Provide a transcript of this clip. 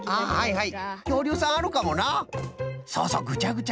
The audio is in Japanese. はい。